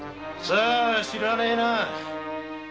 さ知らねえな。